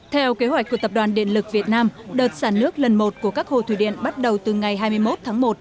theo kế hoạch của tập đoàn điện lực việt nam đợt sản nước lần một của các hồ thủy điện bắt đầu từ ngày hai mươi một tháng một